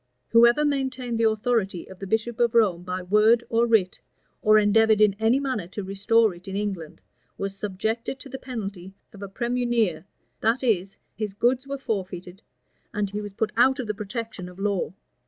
Whoever maintained the authority of the bishop of Rome by word or writ, or endeavored in any manner to restore it in England, was subjected to the penalty of a premunire that is, his goods were forfeited, and he was put out of the protection of law.